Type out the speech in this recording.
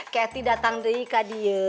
cathy datang dari kadie